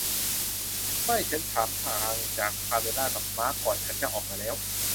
ไม่ ฉันถามทางจากพาเมล่ากับมาร์ค ก่อนฉันจะออกมาแล้ว